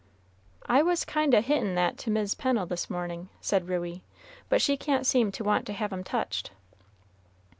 "I was kind o' hintin' that to Mis' Pennel this morning," said Ruey, "but she can't seem to want to have 'em touched."